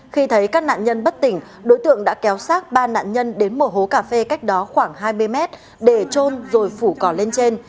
khi thấy các nạn nhân bất tỉnh đối tượng đã kéo sát ba nạn nhân đến một hố cà phê cách đó khoảng hai mươi mét để trôn rồi phủ cỏ lên trên